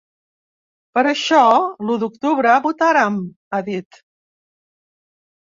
Per això l’u d’octubre votarem, ha dit.